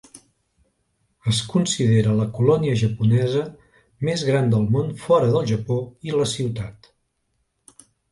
Es considera la colònia japonesa més gran del món fora del Japó, i la ciutat.